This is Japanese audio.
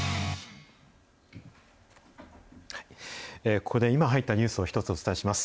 ここで今入ったニュースを１つお伝えします。